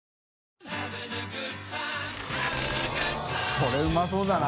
これうまそうだな。